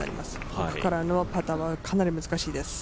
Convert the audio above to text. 奥からのパターはかなり難しいです。